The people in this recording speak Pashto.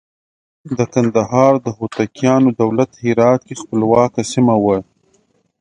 د کندهار د هوتکیانو دولت هرات کې خپلواکه سیمه وه.